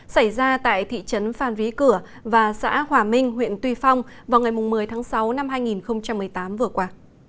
xảy ra tại thị trấn phan rí cửa và xã hòa minh huyện tuy phong vào ngày một mươi tháng sáu năm hai nghìn một mươi tám vừa qua